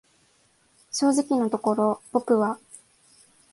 正直のところ僕は、